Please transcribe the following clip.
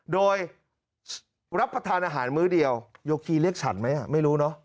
โดยรับประทานอาหารมื้อเดียวโยคีเรียกฉันไหมไม่รู้เนอะ